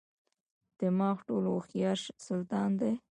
دماغ ټولو هوښیار سلطان دی.